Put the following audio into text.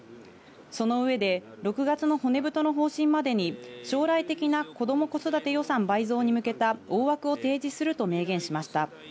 その上で６月の骨太の方針までに、将来的な子ども子育て予算倍増に向けた大枠を提示すると明言しました。